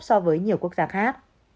so với nhiều quốc gia khác